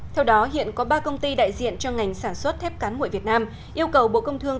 theo đó hiện có ba công ty đại diện cho ngành sản xuất thép cán nguội việt nam yêu cầu bộ công thương